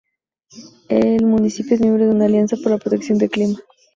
El municipio es miembro de una alianza por la protección de clima.